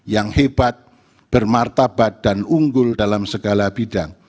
yang hebat bermartabat dan unggul dalam segala bidang